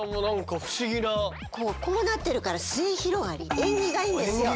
こうなってるから縁起がいいんですか。